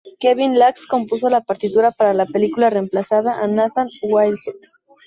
Kevin Lax compuso la partitura para la película, reemplazando a Nathan Whitehead.